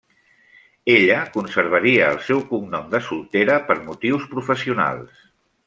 Ella conservaria el seu cognom de soltera per motius professionals.